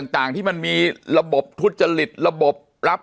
ต่างที่มันมีระบบทุจริตระบบรับ